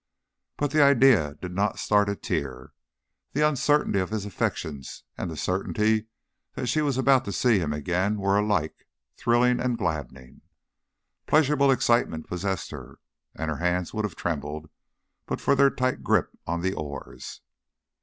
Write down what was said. But the idea did not start a tear. The uncertainty of his affections and the certainty that she was about to see him again were alike thrilling and gladdening. Pleasurable excitement possessed her, and her hands would have trembled but for their tight grip on the oars.